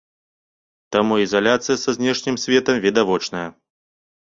Таму ізаляцыя са знешнім светам відавочная.